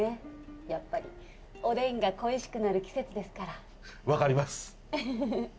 やっぱりおでんが恋しくなる季節ですから分かります